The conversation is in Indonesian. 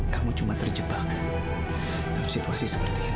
kamu cuma terjebak dalam situasi seperti ini